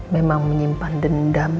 memang menyimpan dendam